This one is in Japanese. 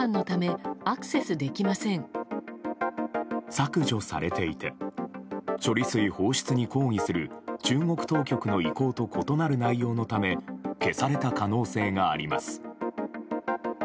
削除されていて処理水放出に抗議する中国当局の意向と異なる内容のため消された可能性があります。